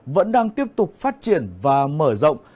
vẫn đang tiếp tục phát triển và mở rộng